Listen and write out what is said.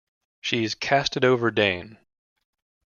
She’s cast it over Dane.